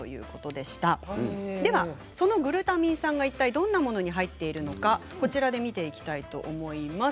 ではそのグルタミン酸がいったいどんなものに入っているのかこちらで見ていきたいと思います。